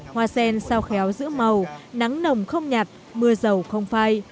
hoa sen sao khéo giữa màu nắng nồng không nhạt mưa dầu không phai